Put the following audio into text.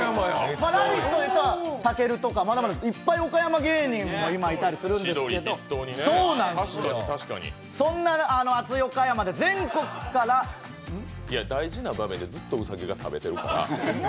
「ラヴィット！」でいうとたけるとかいっぱい岡山芸人もいたりするんですけどそんな熱い岡山で全国からいや、大事な場面でずっと兎が食べているから。